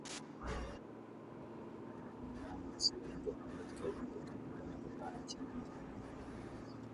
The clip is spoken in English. Breen collaborated with Warren Johansson in researching the book.